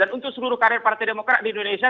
dan untuk seluruh karir partai demokrat di indonesia